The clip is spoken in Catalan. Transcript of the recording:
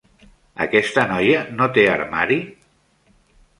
Aquesta noia no té armari?